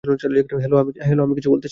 Hello আমি কিছু বলতেছি।